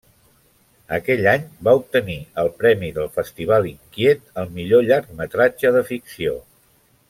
Aquell any va obtenir el Premi del Festival Inquiet al millor llargmetratge de ficció.